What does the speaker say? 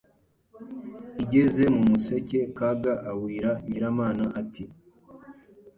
igeze mu museke Kaga awira Nyiramana ati: